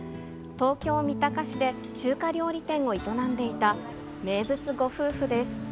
東京・三鷹市で中華料理店を営んでいた名物ご夫婦です。